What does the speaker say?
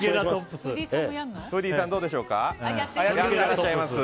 フーディーさんどうでしょうか？